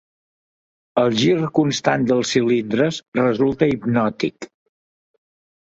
El gir constant dels cilindres resulta hipnòtic.